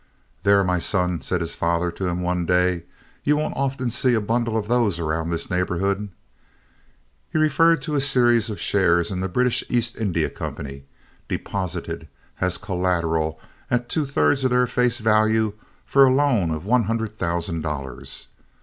"There, my son," said his father to him one day, "you won't often see a bundle of those around this neighborhood." He referred to a series of shares in the British East India Company, deposited as collateral at two thirds of their face value for a loan of one hundred thousand dollars.